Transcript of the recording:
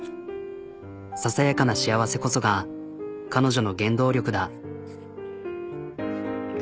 ささやかな幸せこそが彼女の原動力だ。